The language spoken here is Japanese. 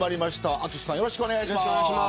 淳さん、よろしくお願いします。